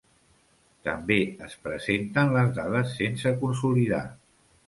També es presenten les dades sense consolidar.